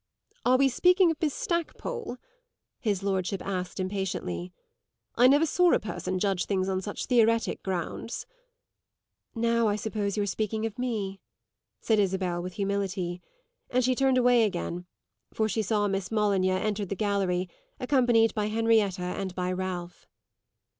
"Are we speaking of Miss Stackpole?" his lordship asked impatiently. "I never saw a person judge things on such theoretic grounds." "Now I suppose you're speaking of me," said Isabel with humility; and she turned away again, for she saw Miss Molyneux enter the gallery, accompanied by Henrietta and by Ralph.